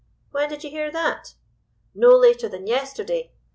"'When did you hear that?' "'No later than yesterday.